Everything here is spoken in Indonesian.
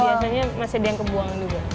biasanya masih diangkut buang juga